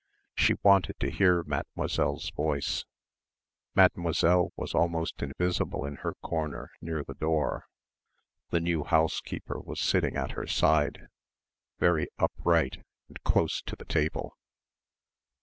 She wanted to hear Mademoiselle's voice; Mademoiselle was almost invisible in her corner near the door, the new housekeeper was sitting at her side very upright and close to the table.